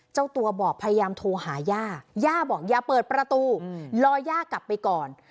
เจ้าตัวบอกพยายามโทรหาย่าย่าบอกอย่าเปิดประตูรอย่ากลับไปก่อน